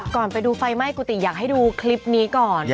ก่อนไปดูไฟไหม้กุฏิอยากให้ดูคลิปนี้ก่อน